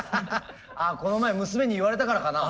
あこの前娘に言われたからかな。